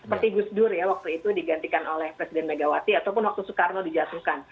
itu sedur ya waktu itu digantikan oleh presiden megawati ataupun waktu soekarno dijatuhkan